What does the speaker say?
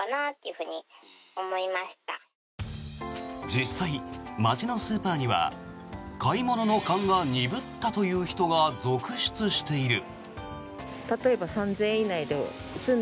実際、街のスーパーには買い物の勘が鈍ったという人が続出している。